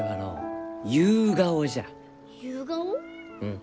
うん。